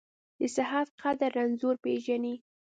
د صحت قدر رنځور پېژني .